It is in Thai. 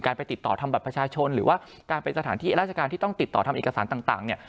ไปติดต่อทำบัตรประชาชนหรือว่าการเป็นสถานที่ราชการที่ต้องติดต่อทำเอกสารต่างเนี่ย